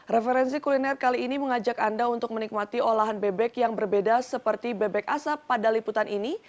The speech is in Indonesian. referensi kuliner kali ini mengajak anda untuk menikmati olahan bebek yang berbeda seperti bebek asap pada liputan ini